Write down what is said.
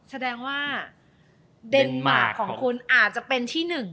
แสดงว่าเดนมาร์คของคุณอาจจะเป็นที่หนึ่ง